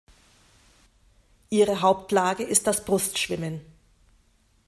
Ihre Hauptlage ist das Brustschwimmen.